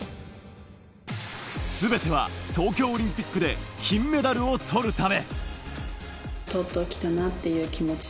全ては東京オリンピックで金メダルを取るため。